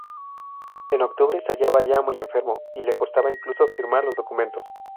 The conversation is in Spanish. En octubre se hallaba ya muy enfermo y le costaba incluso firmar los documentos.